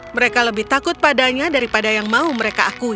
mereka lebih takut padanya daripada yang mau mereka akui